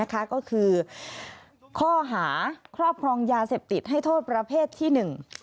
ก็คือข้อหาครอบครองยาเสพติดให้โทษประเภทที่หนึ่ง